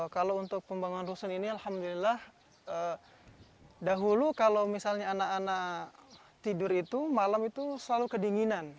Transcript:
kalau untuk pembangunan rusun ini alhamdulillah dahulu kalau misalnya anak anak tidur itu malam itu selalu kedinginan